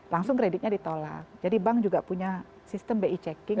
langsung kreditnya ditolak jadi bank juga punya sistem bi checking